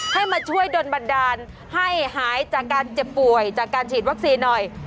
ให้มาช่วยดนบันดาลให้หายจากการเจ็บป่วยจากการฉีดวัคซีนหน่อย